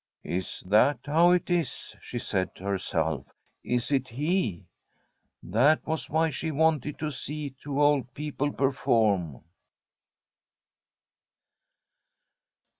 ' Is that how it is ?* she said to herself. * Is it he? That was why she wanted to see two old people perform.